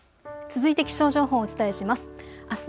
続いて気象情報をお伝えします。